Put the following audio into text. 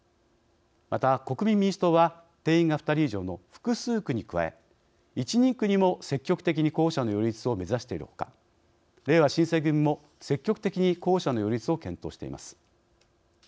また、国民民主党は定員が２人以上の複数区に加え１人区にも積極的に候補者の擁立を目指しているほかれいわ新選組も積極的に候補者の擁立を検討しています。